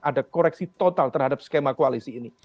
ada koreksi total terhadap skema koalisi ini